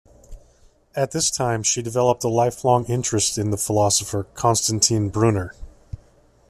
At this time, she developed a lifelong interest in the philosopher Constantin Brunner.